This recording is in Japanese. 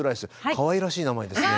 かわいらしい名前ですね。